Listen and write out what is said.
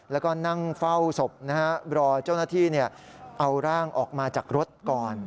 แล้วก็นั่งเฝ้าศพนะฮะรอเจ้าหน้าที่เอาร่างออกมาจากรถก่อน